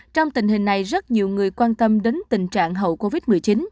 trong tình hình này rất nhiều người quan tâm đến tình trạng hậu covid một mươi chín